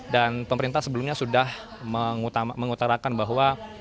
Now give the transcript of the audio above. dan pemerintah sebelumnya sudah mengutarakan bahwa